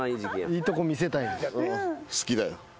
いいとこ見せたい。